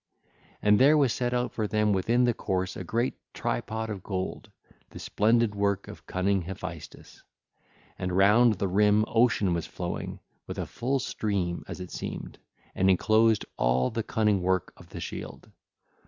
And there was set out for them within the course a great tripod of gold, the splendid work of cunning Hephaestus. (ll. 314 317) And round the rim Ocean was flowing, with a full stream as it seemed, and enclosed all the cunning work of the shield.